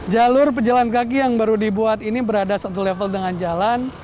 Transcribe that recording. jalur pejalan kaki yang baru dibuat ini berada satu level dengan jalan